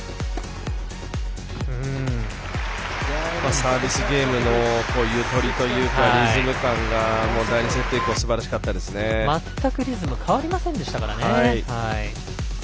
サービスゲームのゆとりというか、リズム感が第２セット以降全くリズム変わりませんでしたからね。